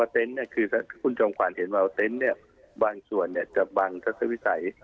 เพราะว่าเตนต์บางส่วนจะบางสักสักวิสัย